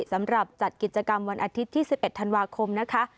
สำหรับจัดกิจกรรมวันอาทิตย์ที่๑๑ธันวาคม